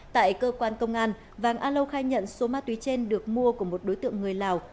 tại cơ quan công an vàng a lâu khai nhận số ma túy trên được mua của một đối tượng người lào